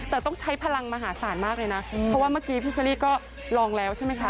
แต่ต้องใช้พลังมหาศาลมากเลยนะเพราะว่าเมื่อกี้พี่เชอรี่ก็ลองแล้วใช่ไหมคะ